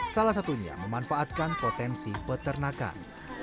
salah satunya memanfaatkan potensi peternakan